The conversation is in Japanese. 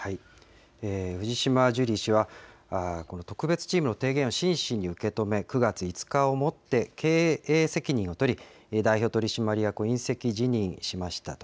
藤島ジュリー氏は、この特別チームの提言を真摯に受け止め、９月５日をもって経営責任を取り、代表取締役を引責辞任しましたと。